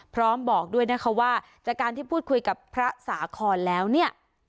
บอกด้วยนะคะว่าจากการที่พูดคุยกับพระสาคอนแล้วเนี่ย